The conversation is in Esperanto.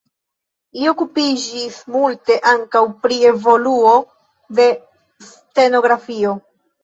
Li okupiĝis multe ankaŭ pri evoluo de stenografio.